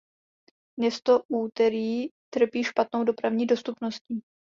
Město Úterý trpí špatnou dopravní dostupností.